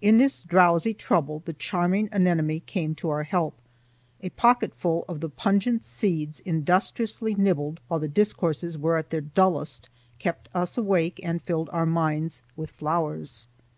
In this drowsy trouble the charming anemone came to our help. A pocketful of the pungent seeds industriously nibbled while the discourses were at their dullest kept us awake and filled our minds with flowers.